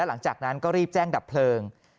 หลังจากนั้นก็รีบแจ้งดับเพลิง